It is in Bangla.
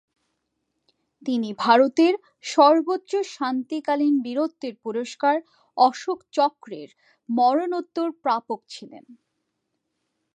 তিনি ভারতের সর্বোচ্চ শান্তিকালীন বীরত্বের পুরস্কার অশোক চক্রের মরণোত্তর প্রাপক ছিলেন।